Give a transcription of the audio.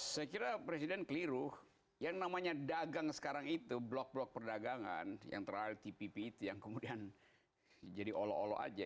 saya kira presiden keliru yang namanya dagang sekarang itu blok blok perdagangan yang terakhir tpp itu yang kemudian jadi olo olo aja